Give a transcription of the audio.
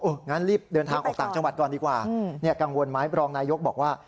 งั้นรีบเดินทางออกต่างจังหวัดก่อนดีกว่ากังวลไหมรองนายกบอกว่า